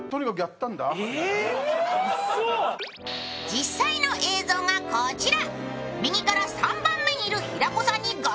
実際の映像がこちら。